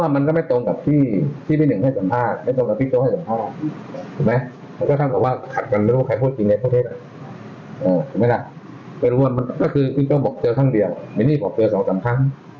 มันเข้ามาพอกเถอะครั้งเดียวมินนี่พอข่าวสองซักครั้ง